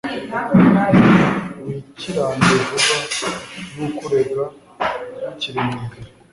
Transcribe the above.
wikiranure vuba n'ukurega mukiri mu nzira